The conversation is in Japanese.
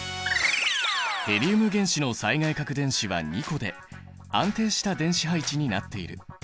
ヘリウム原子の最外殻電子は２個で安定した電子配置になっている。